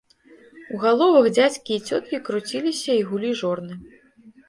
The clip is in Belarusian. У галовах дзядзькі і цёткі круціліся і гулі жорны.